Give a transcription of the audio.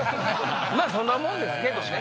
まぁそんなもんですけどね。